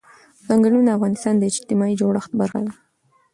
ځنګلونه د افغانستان د اجتماعي جوړښت برخه ده.